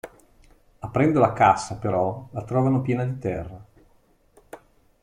Aprendo la cassa però, la trovano piena di terra.